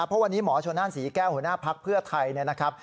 เพราะวันนี้หมอชนนั่นศรีแก้วหัวหน้าภักดิ์เพื่อไทยนะครับ